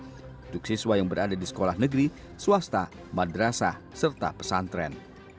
untuk siswa yang berada di sekolah negeri swasta madrasah serta pesantren